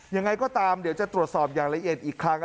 ยังไงก็ตามเดี๋ยวจะตรวจสอบอย่างละเอียดอีกครั้ง